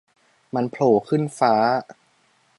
มันโผล่ขึ้นฟ้า